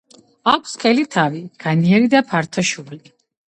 აქვს სქელი თავი, განიერი და ფართო შუბლი.